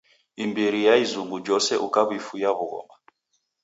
Imbiri ya izungu jose ukaw'ifuya w'ughoma.